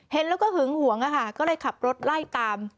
เห็นแล้วก็หึงหวงก็เลยขับรถไล่ตาม